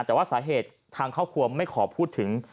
แต่ว่าสาเหตุทางครอบครัวไม่ขอพูดถึง